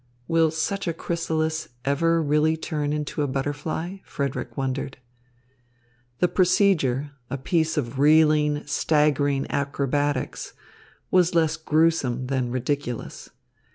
"Will such a chrysalis ever really turn into a butterfly?" Frederick wondered. The procedure, a piece of reeling, staggering acrobatics, was less gruesome than ridiculous.